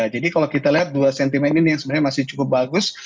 jadi kalau kita lihat dua sentimen ini yang sebenarnya masih cukup bagus